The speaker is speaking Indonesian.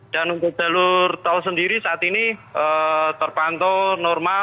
dan untuk jalur tol sendiri saat ini terpantau normal